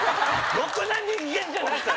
ろくな人間じゃないですよ